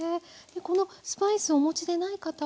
このスパイスをお持ちでない方は。